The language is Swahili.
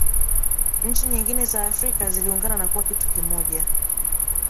nchi nyingin za afrika ziliungana na kuwa kitu kimoja